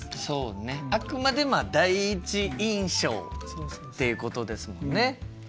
そうねあくまで第一印象ってことですもんね。